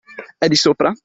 È di sopra?